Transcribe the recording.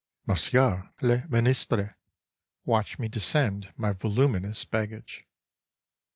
Monsieur le Ministre watched me descend my voluminous baggage.